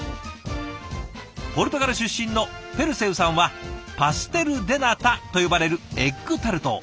ポルトガル出身のペルセウさんはパステル・デ・ナタと呼ばれるエッグタルトを。